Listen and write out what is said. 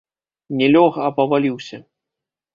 Не лёг, а паваліўся.